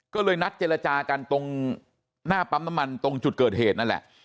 ก็เลยนัดเจรจากันตรงหน้าปั๊มน้ำมันตรงจุดเกิดเหตุนั่นแหละ